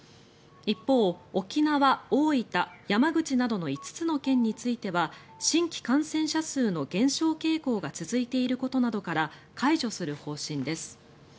一方、沖縄、大分、山口などの５つの県については新規感染者数の減少傾向が続いていることなどから解除する方針です。